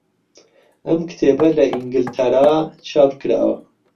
ئەم کتێبە لە ئینگلتەرا چاپکراوە.